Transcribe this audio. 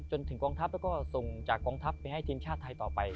จนถึงกองทัพและก็ตรงจากกองทัพไปเจมส์ชาติไทยต่อไป